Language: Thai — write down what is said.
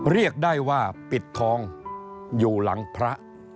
เรียกได้ว่าปิดทองอยู่หลังพระ